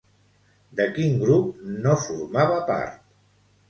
De quin grup no formava part?